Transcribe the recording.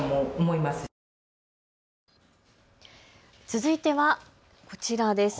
続いては、こちらです。